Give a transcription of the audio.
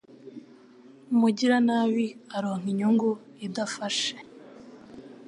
Umugiranabi aronka inyungu idafashe